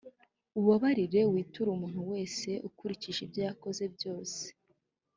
ubabarire, witure umuntu wese, ukurikije ibyo yakoze byose,